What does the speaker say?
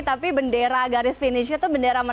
tapi bendera garis finishnya itu bendera merah